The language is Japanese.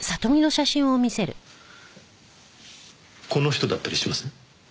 この人だったりします？